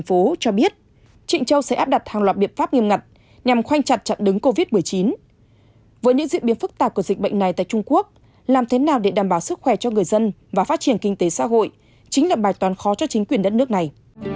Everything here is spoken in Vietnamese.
với những diễn biến phức tạp của dịch bệnh này tại trung quốc làm thế nào để đảm bảo sức khỏe cho người dân và phát triển kinh tế xã hội chính là bài toàn khó cho chính quyền đất nước này